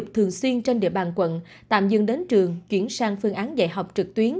thường xuyên trên địa bàn quận tạm dừng đến trường chuyển sang phương án dạy học trực tuyến